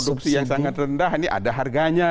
produksi yang sangat rendah ini ada harganya